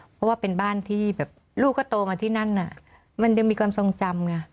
เพราะว่าเป็นบ้านที่แบบลูกก็โตมาที่นั่นน่ะมันยังมีความทรงจำไง